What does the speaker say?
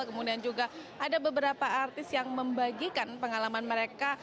kemudian juga ada beberapa artis yang membagikan pengalaman mereka